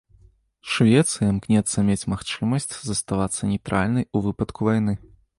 Швецыя імкнецца мець магчымасць заставацца нейтральнай ў выпадку вайны.